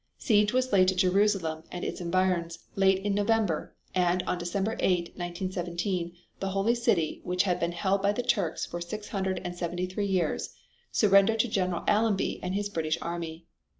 Siege was laid to Jerusalem and its environs late in November, and on December 8, 1917, the Holy City which had been held by the Turks for six hundred and seventy three years surrendered to General Allenby and his British army.